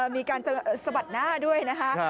มีการเจอสะบัดหน้าด้วยนะคะ